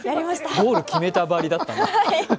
ゴール決めたばりだったね。